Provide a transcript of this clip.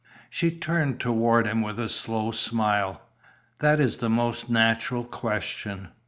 She turned toward him with a slow smile. "That is a most natural question.